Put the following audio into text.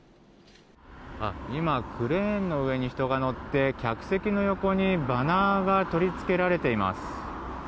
今、クレーンの上に人が乗って客席の横にバナーが取りつけられています。